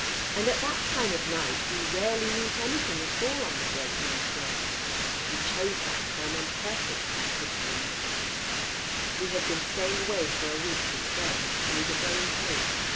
And at that time of night we rarely meet anything at all on the Great North Road. We choose that time on purpose, my sister and I — we had been staying away for a week with friends, and we were going home.